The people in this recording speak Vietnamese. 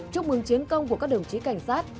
chúc mừng chiến công của các đồng chí cảnh sát